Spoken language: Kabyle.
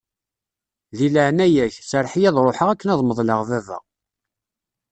Di leɛnaya-k, serreḥ-iyi ad ṛuḥeɣ akken ad meḍleɣ baba.